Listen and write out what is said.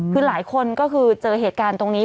คือหลายคนก็คือเจอเหตุการณ์ตรงนี้